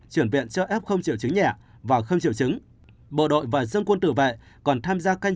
chuyển viện cho f triệu chứng nhẹ và không triệu chứng bộ đội và dân quân tử vệ còn tham gia canh